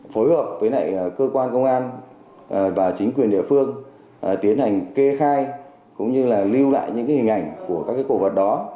phối hợp với cơ quan công an và chính quyền địa phương tiến hành kê khai cũng như là lưu lại những hình ảnh của các cổ vật đó